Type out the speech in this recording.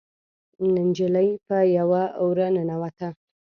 نجلۍ په يوه وره ننوته.